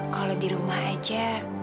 kalo dirumah aja